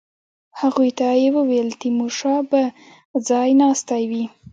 هغوی ته یې وویل تیمورشاه به ځای ناستی وي.